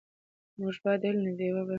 موږ باید د علم ډېوه بله وساتو.